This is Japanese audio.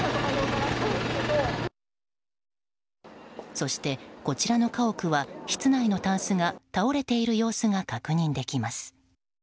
そして、こちらの家屋は室内のたんすが倒れている様子が確認できます。